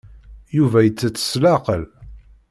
Yuba ittett s leɛqel.